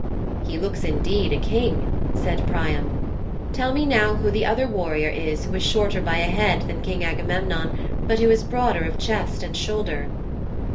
"' '"He looks indeed a King," said Priam. "Tell me now who the other warrior is who is shorter by a head than King Agamemnon, but who is broader of chest and shoulder."'